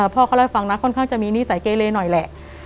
พ่อเขาเล่าให้ฟังนะค่อนข้างจะมีนิสัยเกเลหน่อยแหละ